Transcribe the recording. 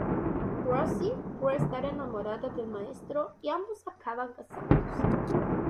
Rosy cree estar enamorada del maestro y ambos acaban casándose.